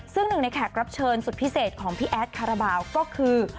ซึ่งหนึ่งในแขกรับเชิญสุดพิเศษของพี่แอดคาราบาลก็คือ